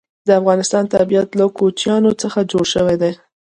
د افغانستان طبیعت له کوچیانو څخه جوړ شوی دی.